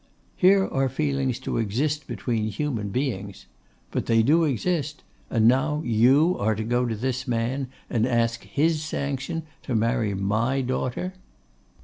Here are feelings to exist between human beings! But they do exist; and now you are to go to this man, and ask his sanction to marry my daughter!